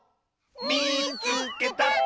「みいつけた！」。